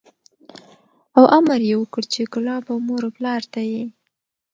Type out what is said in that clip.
او امر یې وکړ چې کلاب او مور و پلار ته یې